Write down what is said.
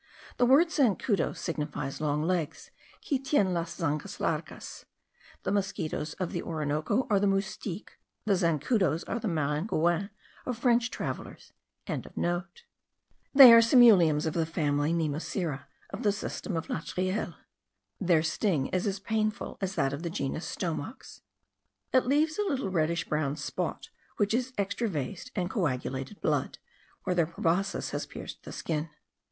The word zancudo signifies long legs, qui tiene las zancas largas. The mosquitos of the Orinoco are the moustiques; the zancudos are the maringouins of French travellers.) but that of a small fly. They are simuliums of the family Nemocera of the system of Latreille. Their sting is as painful as that of the genus Stomox. It leaves a little reddish brown spot, which is extravased and coagulated blood, where their proboscis has pierced the skin.